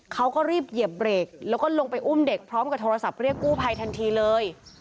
เขาก็รีบเหยียบเบรกแล้วก็ลงไปอุ้มเด็กพร้อมกับโทรศัพท์เรียกกู้ภัยทันทีเลย